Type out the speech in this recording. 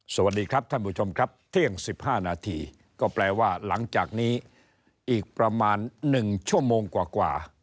สวัสดีครับท่านผู้ชมครับเที่ยง๑๕นาทีก็แปลว่าหลังจากนี้อีกประมาณ๑ชั่วโมงกว่า